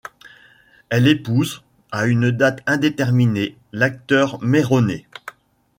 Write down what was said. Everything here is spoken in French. Elle épouse, à une date indéterminée, l'acteur Meyronnet.